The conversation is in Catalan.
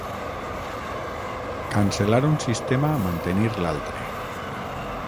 Cancel·lar un sistema, mantenir l'altre.